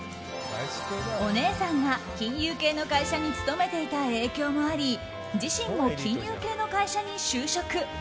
お姉さんが金融系の会社に勤めていた影響もあり自身も金融系の会社に就職。